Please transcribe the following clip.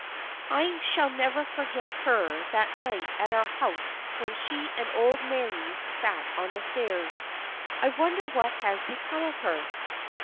" I shall never forget her that night at our house when she and old Merry sat on the stairs. I wonder what has become of her."